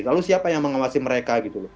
lalu siapa yang mengawasi mereka gitu loh